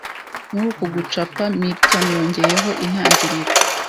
Muri uku gucapa Milton yongeyeho intangiriro